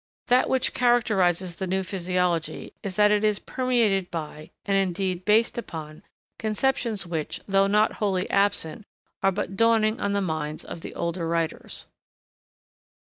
That which characterises the new physiology is that it is permeated by, and indeed based upon, conceptions which, though not wholly absent, are but dawning on the minds of the older writers.